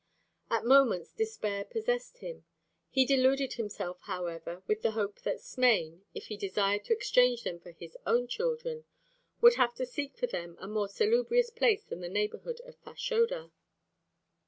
At moments despair possessed him. He deluded himself, however, with the hope that Smain, if he desired to exchange them for his own children, would have to seek for them a more salubrious place than the neighborhood of Fashoda.